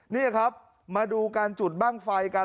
นี่ครับมาดูการจุดบ้างไฟกัน